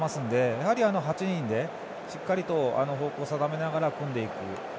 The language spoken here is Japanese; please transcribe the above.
やはり８人でしっかりと方向を定めながら組んでいく。